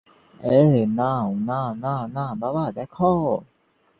এই নাও না না না - বাবা দেখো।